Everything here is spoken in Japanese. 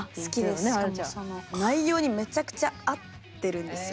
しかもその内容にめちゃくちゃ合ってるんですよ。